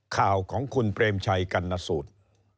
ข่าวของคุณเปรมชัยกรรณสูตร